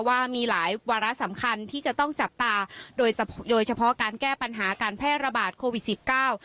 ว่ามีหลายวาระสำคัญที่จะต้องจับตาโดยเฉพาะการแก้ปัญหาการแพร่ระบาดโควิดสิบเก้า